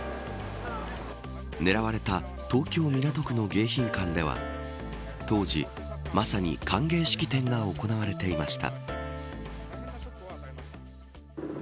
狙われた東京、港区の迎賓館では当時、まさに歓迎式典が行われていました。